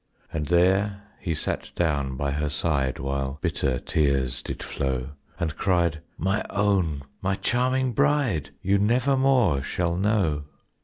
And there he sat down by her side while bitter tears did flow, And cried, "My own, my charming bride, you nevermore shall know."